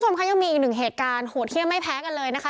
คุณผู้ชมคะยังมีอีกหนึ่งเหตุการณ์โหดเยี่ยมไม่แพ้กันเลยนะคะ